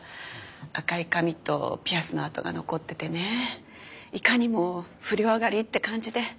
赤い髪とピアスの跡が残っててねいかにも不良上がりって感じで。